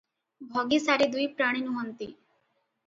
ଭଗି ସାରୀ ଦୁଇପ୍ରାଣୀ ନୁହଁନ୍ତି ।